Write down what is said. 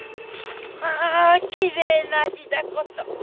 まあきれいな字だこと。